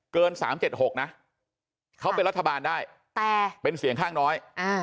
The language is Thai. เกิน๓๗๖นะเขาเป็นรัฐบาลได้แต่เป็นเสียงข้างน้อย